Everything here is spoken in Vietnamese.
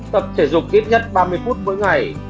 tập thể dục ít nhất ba mươi phút mỗi ngày